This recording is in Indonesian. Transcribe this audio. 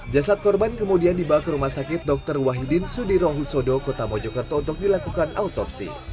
jasad korban kemudian dibawa ke rumah sakit dr wahidin sudirohusodo kota mojokerto untuk dilakukan autopsi